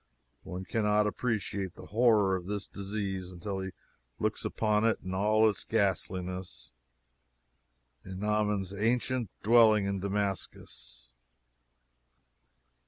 One can not appreciate the horror of this disease until he looks upon it in all its ghastliness, in Naaman's ancient dwelling in Damascus.